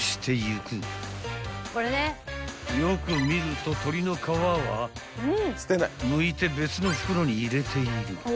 ［よく見ると鶏の皮はむいて別の袋に入れている］